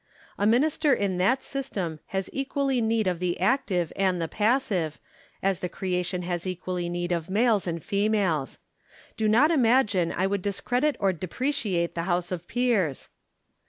A minister in that system has equally need of the active and the passive, as the crea tion has equally need of males and females. Do not imagine I would discredit or depreciate the House of Peers.